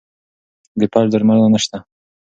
د فلج درملنه نشته.